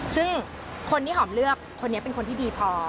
ซึ่งคนที่หอมเลือกคนนี้เป็นคนที่ดีพอ